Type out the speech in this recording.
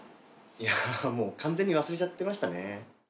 いやもう完全に忘れちゃってましたね